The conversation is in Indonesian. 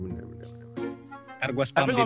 ntar gua spam di dm